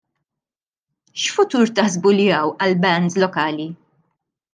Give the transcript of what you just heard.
X'futur taħsbu li hawn għal bands lokali?